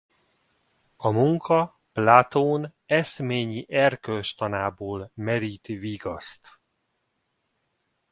A munka Platón eszményi erkölcstanából merít vigaszt.